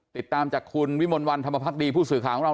ติดตามจากคุณวิมลวันธรรมภักดีผู้สื่อข่าวของเรา